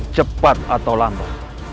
cepat atau lambat